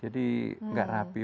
jadi tidak rapi